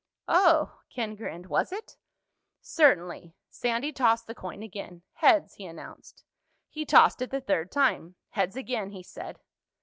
"Oh." Ken grinned. "Was it?" "Certainly." Sandy tossed the coin again. "Heads," he announced. He tossed it the third time. "Heads again," he said.